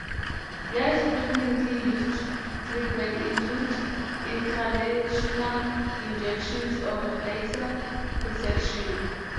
Less frequently used treatments include intralesional injections or laser resection.